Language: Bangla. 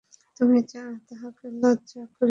তুমি তাঁহাকে লজ্জা করিলে চলিবে না।